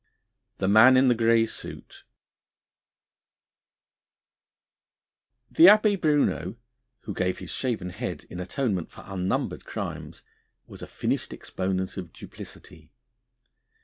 THE MAN IN THE GREY SUIT THE Abbé Bruneau, who gave his shaven head in atonement for unnumbered crimes, was a finished exponent of duplicity.